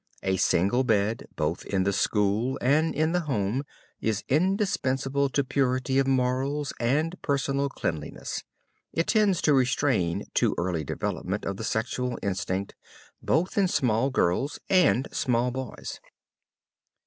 A single bed, both in the school and in the home, is indispensable to purity of morals and personal cleanliness. It tends to restrain too early development of the sexual instinct both in small girls and small boys.